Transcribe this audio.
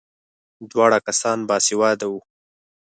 دواړه کسان باسواده وو.